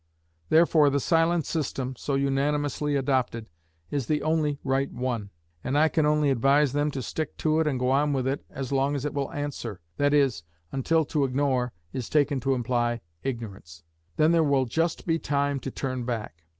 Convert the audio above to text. Therefore the silent system, so unanimously adopted, is the only right one, and I can only advise them to stick to it and go on with it as long as it will answer, that is, until to ignore is taken to imply ignorance; then there will just be time to turn back.